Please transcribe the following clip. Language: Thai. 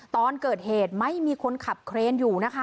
ตอนเกิดเหตุไม่มีคนขับเครนอยู่นะคะ